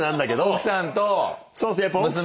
奥さんと娘。